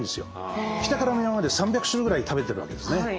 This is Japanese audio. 北から南まで３００種類ぐらい食べてるわけですね。